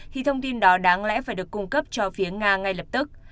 khi thông tin đó đáng lẽ phải được cung cấp cho phía nga ngay lập tức